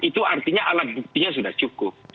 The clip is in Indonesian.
itu artinya alat bukti yang cukup